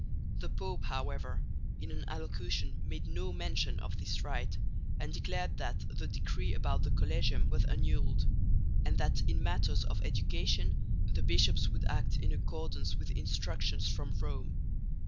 The Pope, however, in an allocution made no mention of this right, and declared that the decree about the Collegium was annulled, and that in matters of education the bishops would act in accordance with instructions from Rome.